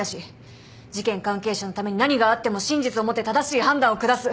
事件関係者のために何があっても真実をもって正しい判断を下す。